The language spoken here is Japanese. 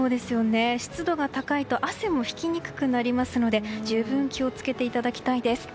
湿度が高いと汗も引きにくくなりますので十分気を付けていただきたいです。